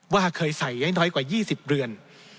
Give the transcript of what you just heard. ว่าเคยใส่ให้น้อยกว่า๒๐เรือน